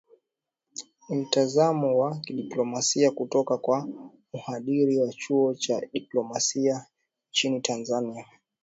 ni mtazamo wa kidiplomasia kutoka kwa mhadhiri wa chuo cha diplomasia nchini tanzania